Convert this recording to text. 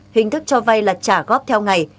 hình thức cho vai là trả góp theo ngày